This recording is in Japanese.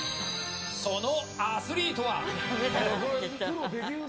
そのアスリートは。